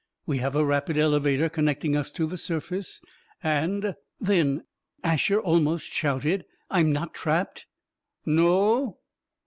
We have a rapid elevator connecting us to the surface. And " "Then," Asher almost shouted, "I'm not trapped!" "No?"